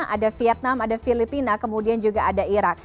ada vietnam ada filipina kemudian juga ada irak